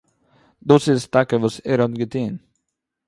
דאס איז טאקע וואס ער האט געטון